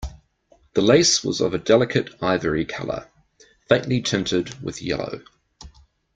The lace was of a delicate ivory color, faintly tinted with yellow.